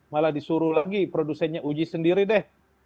malah disuruh lagi produsennya uji sendiri deh